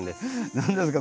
何ですか？